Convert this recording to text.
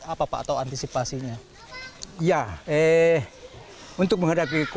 terus pak ketika dalam situasi seperti ini di desa arborek sendiri ini mempersiapkan tempat untuk mencari tangan